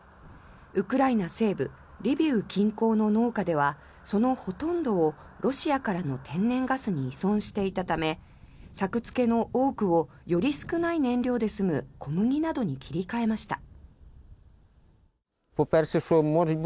ウクライナ西部リビウ近郊の農家ではそのほとんどをロシアからの天然ガスに依存していたため作付けの多くをより少ない燃料で済む小麦などに切り替えました。